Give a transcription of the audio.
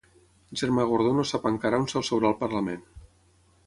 Germà Gordó no sap encara on s'asseurà al Parlament